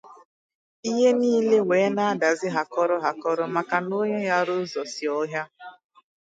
Ihe niile wee na-adazị 'hakoro hakoro' maka na onye ghara ụzọ si ọhịa